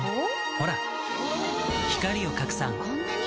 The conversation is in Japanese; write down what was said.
ほら光を拡散こんなに！